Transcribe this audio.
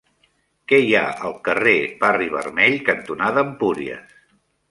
Què hi ha al carrer Barri Vermell cantonada Empúries?